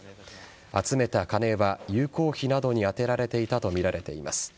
集めた金は遊興費などに充てられていたとみられています。